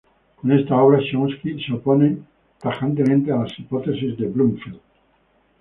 Con esta obra, Chomsky se opone tajantemente a las hipótesis de Bloomfield.